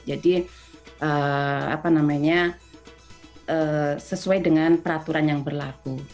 jadi apa namanya sesuai dengan peraturan yang berlaku